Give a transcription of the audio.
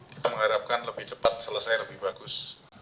kita mengharapkan lebih cepat selesai lebih bagus